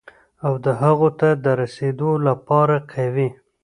او د هغو ته د رسېدو لپاره قوي،